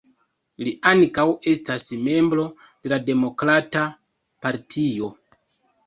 Li ankaŭ estas membro de la Demokrata Partio.